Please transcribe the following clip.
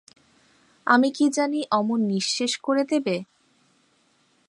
আমি কি জানি অমন নিঃশেষ করে দেবে?